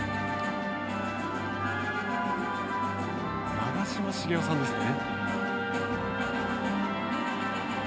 長嶋茂雄さんですね。